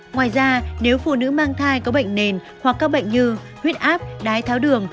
ngoài ra nếu phụ nữ mang thai có bệnh nền hoặc các bệnh như huyết áp đái tháo đường